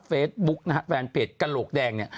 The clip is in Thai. เฟสบุ๊กแฟนเพจกระโหลกแดง